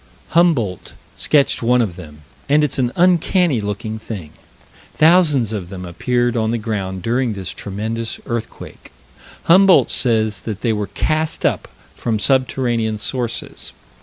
Humboldt sketched one of them, and it's an uncanny looking thing. Thousands of them appeared upon the ground during this tremendous earthquake. Humboldt says that they were cast up from subterranean sources.